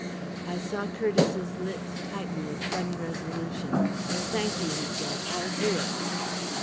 I saw Curtiss's lips tighten with sudden resolution. "Thank you," he said. "I'll do it."